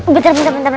bentar bentar bentar